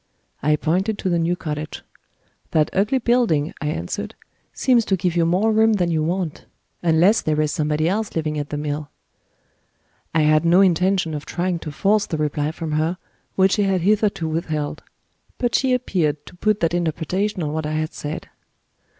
I pointed to the new cottage. "That ugly building," I answered, "seems to give you more room than you want unless there is somebody else living at the mill." I had no intention of trying to force the reply from her which she had hitherto withheld; but she appeared to put that interpretation on what I had said.